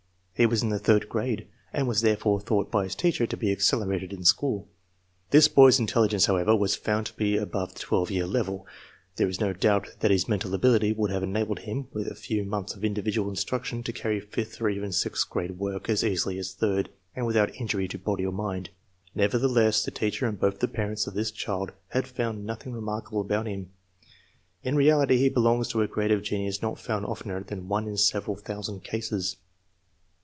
He was in the third grade, and was therefore thought by his teacher to be accelerated in s.chool. This boy's intelligence, however, was found to be above the 12 year level There is no doubt that his mental ability would have enabled him, with a few months of individual instruction, to carry fifth or even sixth grade work as easily as third, and without injury to body or mind. Nevertheless, the teacher and both the parents of this child had found nothing remarkable about him. In reality he belongs to a grade of genius not found oftener than once in several thousand cases.